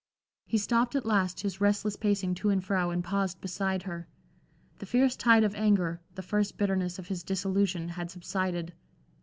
He stopped at last his restless pacing to and fro and paused beside her. The fierce tide of anger, the first bitterness of his disillusion, had subsided.